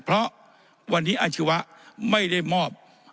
เพราะวันนี้อาชีวะไม่ได้มอบ